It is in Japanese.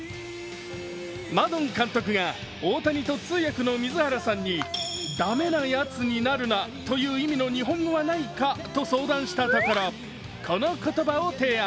マドン監督が大谷と通訳の水原さんに「駄目なやつになるな」という意味の日本語はないかと相談したところ、この言葉を提案。